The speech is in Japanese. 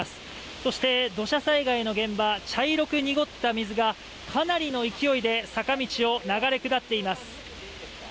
そして土砂災害の現場茶色く濁った水がかなりの勢いで坂道を流れ下っています。